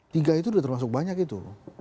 tiga itu udah termasuk banyak gitu